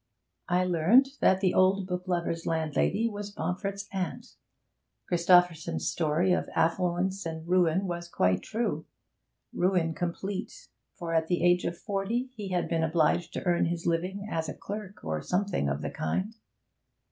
I learnt that the old book lover's landlady was Pomfret's aunt. Christopherson's story of affluence and ruin was quite true. Ruin complete, for at the age of forty he had been obliged to earn his living as a clerk or something of the kind.